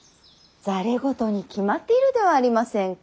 ざれ言に決まっているではありませんか。